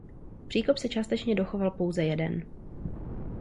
Příkop se částečně dochoval pouze jeden.